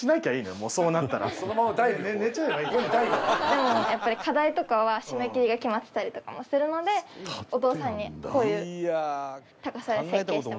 でもやっぱり課題とかは締め切りが決まってたりとかもするのでお父さんにこういう高さで設計してもらった。